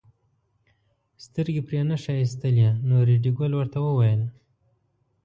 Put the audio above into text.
سترګې پرې نه ښایستلې نو ریډي ګل ورته وویل.